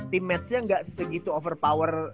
team matchnya gak segitu over power